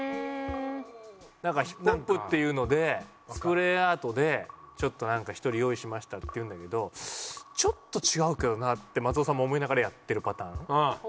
なんかＨＩＰＨＯＰっていうのでスプレーアートでちょっとなんか１人用意しましたって言うんだけどちょっと違うけどなって松尾さんも思いながらやってるパターン。